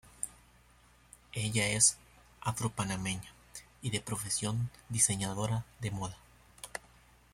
Ella es afro-panameña y de profesión diseñadora de moda.